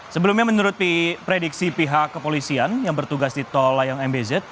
sebelumnya menurut prediksi pihak kepolisian yang bertugas di tol layang mbz